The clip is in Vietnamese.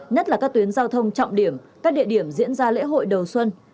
nhất là các tuyến giao thông trọng điểm các địa điểm diễn ra lễ hội đầu xuân